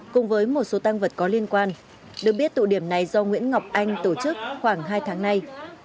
cùng với một số tăng vật có liên quan được biết tụ điểm này do nguyễn ngọc anh tổ chức khoảng hai tháng nay